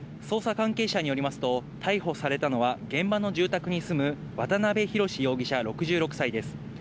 捜査関係者によりますと、逮捕されたのは現場の住宅に住む渡辺宏容疑者、６６歳です。